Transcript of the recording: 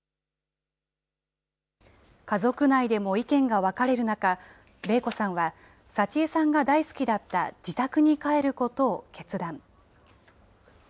家族内でも意見が分かれる中、礼子さんは、佐千江さんが大好きだった自宅に帰ることを決断。